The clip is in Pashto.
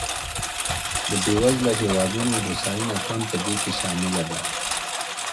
د بېوزلو هېوادونو هوساینه هم په دې کې شامله ده.